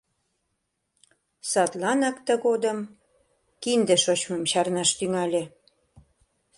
Садланак тыгодым кинде шочмым чарнаш тӱҥале.